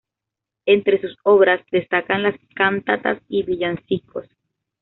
Entre sus obras, destacan las cantatas y villancicos.